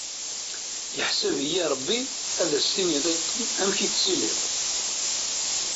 Yeḥsab-iyi Rebbi ad as-tiniḍ i Tom amek i tettiliḍ.